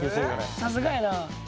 さすがやな。